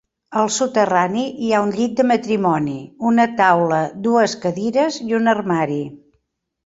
Al soterrani hi ha un llit de matrimoni, una taula, dues cadires i un armari.